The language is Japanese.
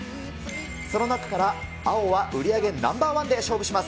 その中から青は売り上げナンバー１で勝負します。